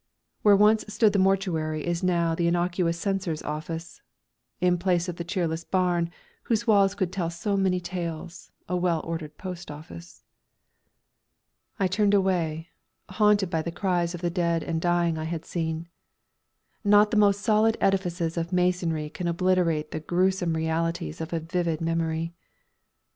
Where once stood the mortuary is now the innocuous Censor's office. In place of the cheerless barn, whose walls could tell so many tales, a well ordered post office. I turned away, haunted by the cries of the dead and dying I had seen. Not the most solid edifices of masonry can obliterate the gruesome realities of a vivid memory.